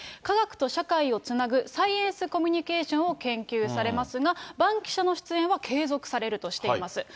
科学と社会をつなぐサイエンスコミュニケーションを研究されますが、バンキシャの出演は継続されるとしています。